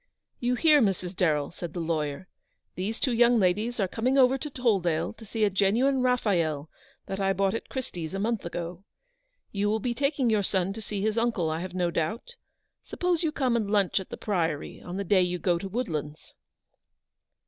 "You hear, Mrs. Darrell?" said the lawyer; " these two young ladies are coming over to Toll dale to see a genuine Raphael that I bought at Christie's a month ago. You will be taking your son to see his uncle, I have no doubt — suppose you come and lunch at the Priory on the day you go to Woodlands."